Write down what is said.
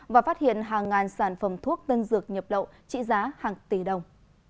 và phát hiện hàng ngàn sản phẩm thuốc tân dược nhập lậu trị giá hàng tỷ đồng